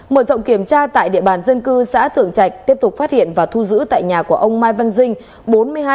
mở rộng kiểm tra tại địa bàn dân cư xã thượng trạch tiếp tục phát hiện và thu giữ tại nhà của ông mai văn dinh